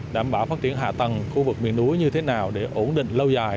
đảm bảo phát triển hạ tầng khu vực miền núi như thế nào để ổn định lâu dài